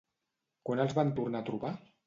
Quan els van tornar a trobar?